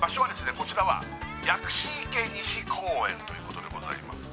こちらは薬師池西公園ということでございます